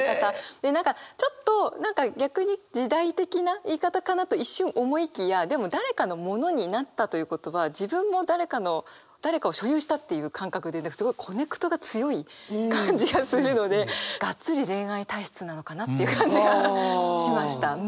で何かちょっと逆に時代的な言い方かなと一瞬思いきやでも誰かのものになったということは自分も誰かの誰かを所有したという感覚ですごいコネクトが強い感じがするのでガッツリ恋愛体質なのかなっていう感じがしました。